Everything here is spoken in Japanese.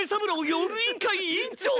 用具委員会委員長！